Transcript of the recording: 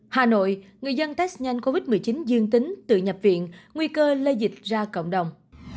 hà nội người dân test nhanh covid một mươi chín dương tính tự nhập viện nguy cơ lây dịch ra cộng đồng